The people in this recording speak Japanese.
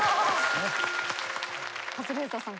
カズレーザーさん